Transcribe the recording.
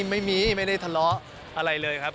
ไม่ได้ทะเลาะอะไรเลยครับ